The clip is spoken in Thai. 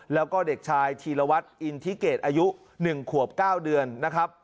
แล้วก็เด็กชายธีรวัตรอินทิเกตอายุ๑ขวบ๙เดือนนะครับ